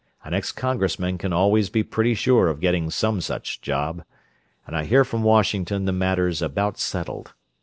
An ex congressman can always be pretty sure of getting some such job, and I hear from Washington the matter's about settled.